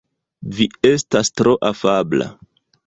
Vi estas tro afabla.